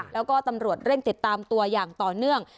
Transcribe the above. แล้วก็ตำรวจเร่งติดตามตัวอย่างต่อเนื่อง